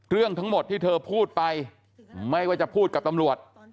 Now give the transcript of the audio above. เรื่องทั้งหมดที่เธอพูดไปไม่ว่าจะพูดกับตำรวจ